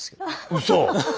うそ？